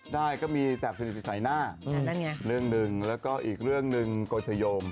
ใช่ก็มีแตกสนิทไหนสายหน้าเรื่องหนึ่งแล้วก็อีกเรื่องนึงโกยเตยม